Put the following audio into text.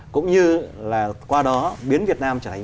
cũng như là qua đó biến việt nam trở thành